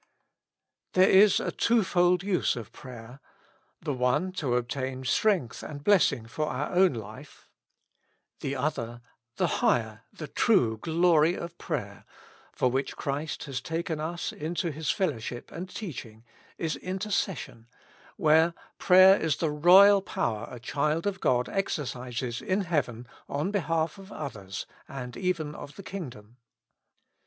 There is a two fold use of prayer: the one, to obtain strength and blessing for our own life ; the other, the higher, the true glory of prayer, for which Christ has taken us into his fellowship and teaching, 64 With Christ in the School of Prayer. is intercession, where prayer is the royal power a child of God exercises in heaven on behalf of others and even of the kingdom.